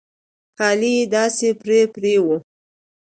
کالي يې داسې پرې پرې وو.